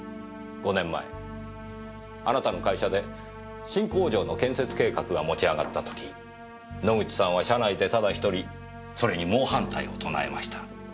５年前あなたの会社で新工場の建設計画が持ち上がった時野口さんは社内でただ１人それに猛反対を唱えました。